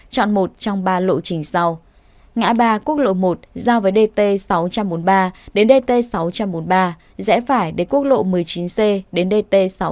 chọn một trong ba lộ trình sau ngã ba quốc lộ một giao với dt sáu trăm bốn mươi ba đến dt sáu trăm bốn mươi ba rẽ phải để quốc lộ một mươi chín c đến dt sáu trăm bốn mươi